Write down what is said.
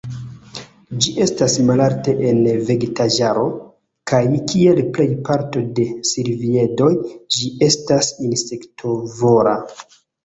Ĝi estas malalte en vegetaĵaro, kaj, kiel plej parto de silviedoj, ĝi estas insektovora.